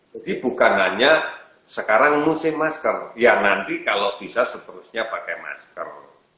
jadi bukan hanya sekarang musim masker ya nanti kalau bisa seterusnya pakai masker